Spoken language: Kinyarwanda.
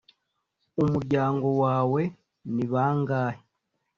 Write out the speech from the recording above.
" "umuryango wawe ni bangahe?"